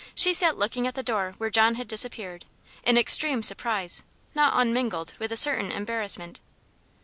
She sat looking at the door where John had disappeared, in extreme surprise, not unmingled with a certain embarrassment.